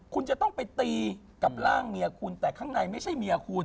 คุณจะต้องไปตีกับร่างเมียคุณแต่ข้างในไม่ใช่เมียคุณ